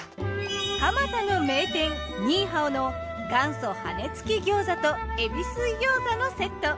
蒲田の名店ニーハオの元祖羽根付き餃子と海老水餃子のセット。